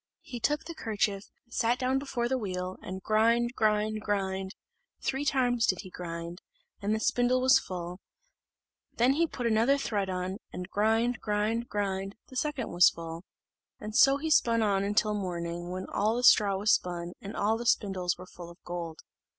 He took the kerchief, sat down before the wheel, and grind, grind, grind three times did he grind and the spindle was full: then he put another thread on, and grind, grind, grind, the second was full; so he spun on till morning; when all the straw was spun, and all the spindles were full of gold.